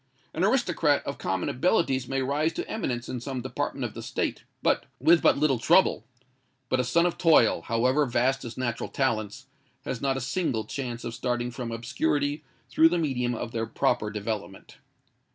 An aristocrat of common abilities may rise to eminence in some department of the State, with but little trouble: but a son of toil, however vast his natural talents, has not a single chance of starting from obscurity through the medium of their proper development.